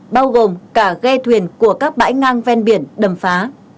bao gồm cả ghe thuyền của các bãi ngang ven biển đầm phá